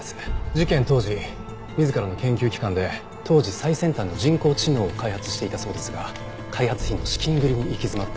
事件当時自らの研究機関で当時最先端の人工知能を開発していたそうですが開発費の資金繰りに行き詰まって。